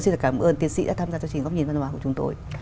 xin cảm ơn tiến sĩ đã tham gia chương trình góc nhìn văn hóa của chúng tôi